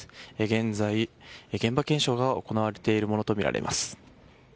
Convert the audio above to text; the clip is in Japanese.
現在、現場検証が行われているものとみられます。